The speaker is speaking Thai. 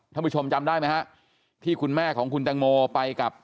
ท่านผู้ชมจำได้ไหมฮะที่คุณแม่ของคุณแตงโมไปกับ